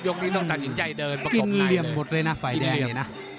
ยกนี้ต้องตัดสินใจเดินประกอบในเลยทิ้งเลี่ยมหมดเลยน่ะไฟแดงเลยน่ะ